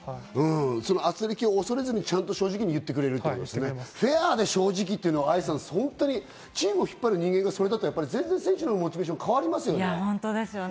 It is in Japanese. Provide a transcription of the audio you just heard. あつれきを恐れずにちゃんと言ってくれるということですね、フェアで正直言ってチームを引っ張る人間がそれだと、選手のモチベーション、変わりますよね。